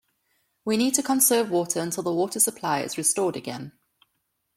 We need to conserve water until the water supply is restored again.